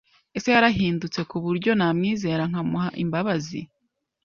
Ese yarahindutse ku buryo namwizera nkamuha imbabazi